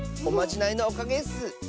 おまじないのおかげッス。